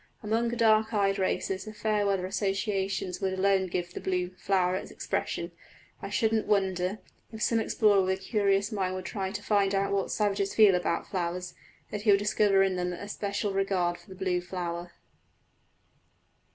Among dark eyed races the fair weather associations would alone give the blue flower its expression. I shouldn't wonder, if some explorer with a curious mind would try to find out what savages feel about flowers, that he would discover in them a special regard for the blue flower.